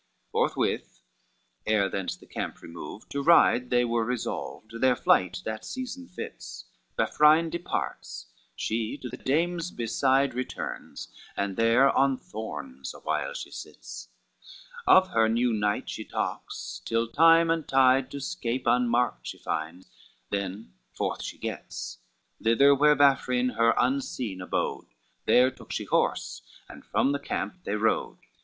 LXXXV Forthwith, ere thence the camp remove, to ride They were resolved, their flight that season fits, Vafrine departs, she to the dames beside Returns, and there on thorns awhile she sits, Of her new knight she talks, till time and tide To scape unmarked she find, then forth she gets, Thither where Vafrine her unseen abode, There took she horse, and from the camp they rode.